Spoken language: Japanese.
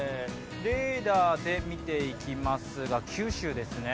レーダーで見ていきますが、九州ですね。